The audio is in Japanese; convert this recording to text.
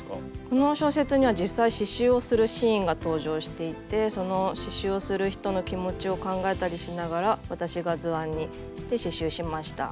この小説には実際刺しゅうをするシーンが登場していてその刺しゅうをする人の気持ちを考えたりしながら私が図案にして刺しゅうしました。